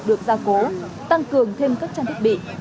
được gia cố tăng cường thêm các trang thiết bị